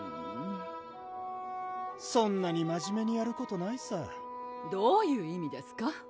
そんなに真面目にやることないさどういう意味ですか？